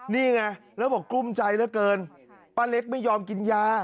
นี่ไงแล้วบอกกลุ้มใจเหลือเกินป้าเล็กไม่ยอมกินยา